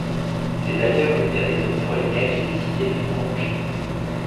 C’est d’ailleurs une des raisons pour lesquelles j’ai décidé de prolonger.